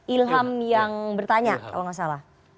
ilham yang bertanya kalau nggak salah